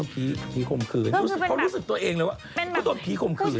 ผีคมคืนเขารู้สึกตัวเองเลยว่าผู้ตัวผีคมคืน